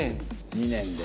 ２年で。